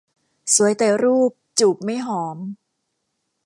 สวยแต่รูป จูบไม่หอม